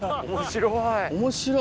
面白い。